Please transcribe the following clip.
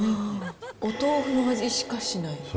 お豆腐の味しかしない。